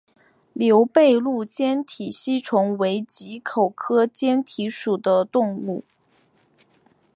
牛背鹭坚体吸虫为棘口科坚体属的动物。